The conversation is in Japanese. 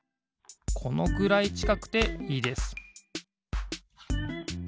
このくらいちかくていいです